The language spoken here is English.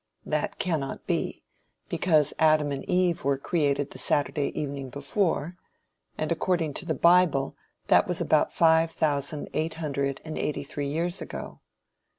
That cannot be, because Adam and Eve were created the Saturday evening before, and according to the bible that was about five thousand eight hundred and eighty three years ago.